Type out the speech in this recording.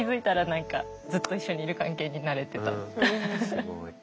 すごい。